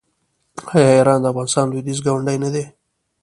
آیا ایران د افغانستان لویدیځ ګاونډی نه دی؟